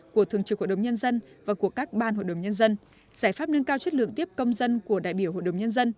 của thường trực hội đồng nhân dân và của các ban hội đồng nhân dân giải pháp nâng cao chất lượng tiếp công dân của đại biểu hội đồng nhân dân